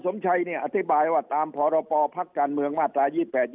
สมชัยเนี่ยอธิบายว่าตามพรปภักดิ์การเมืองมาตรา๒๘๒